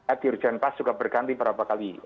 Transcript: adjurjen pas juga berganti berapa kali